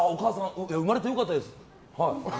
生まれてよかったです。